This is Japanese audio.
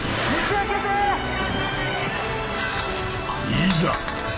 いざ！